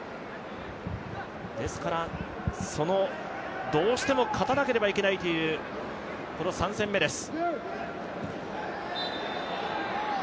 ですから、どうしても勝たなければいけないというこの３戦目です。